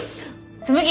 紬。